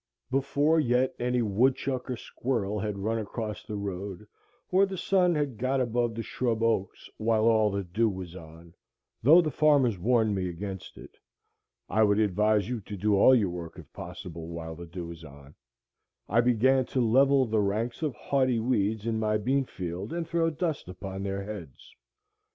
Before yet any woodchuck or squirrel had run across the road, or the sun had got above the shrub oaks, while all the dew was on, though the farmers warned me against it,—I would advise you to do all your work if possible while the dew is on,—I began to level the ranks of haughty weeds in my bean field and throw dust upon their heads.